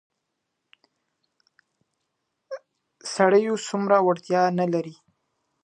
د سړيو هومره وړتيا نه لري.